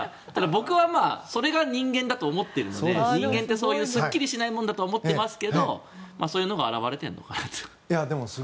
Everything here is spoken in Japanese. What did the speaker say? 僕はそれが人間だと思っているので人間ってそういうすっきりしないものだと思ってますけどそういうのが表れてるのかなと。